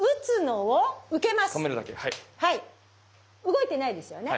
動いてないですよね。